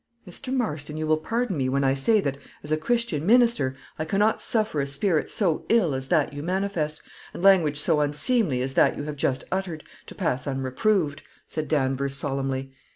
"Mr. Marston, you will pardon me when I say that, as a Christian minister, I cannot suffer a spirit so ill as that you manifest, and language so unseemly as that you have just uttered, to pass unreproved," said Danvers, solemnly.